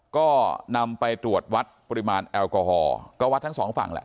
ก็นำไปตรวจวัดปริมาณแอลกอฮอล์ก็วัดทั้งสองฝั่งแหละ